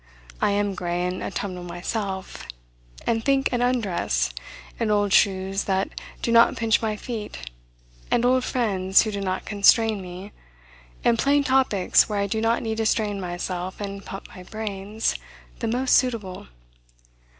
I am gray and autumnal myself, and think an undress, and old shoes that do not pinch my feet, and old friends who do not constrain me, and plain topics where I do not need to strain myself and pump my brains, the most suitable.